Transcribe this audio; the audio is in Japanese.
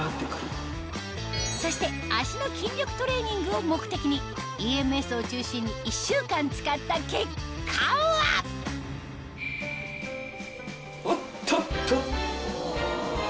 そして足の筋力トレーニングを目的にＥＭＳを中心に１週間使った結果はおっとっと！